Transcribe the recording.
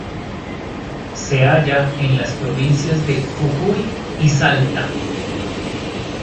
Se halla en las provincias de Jujuy y Salta.